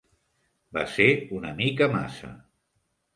Va ser una mica massa.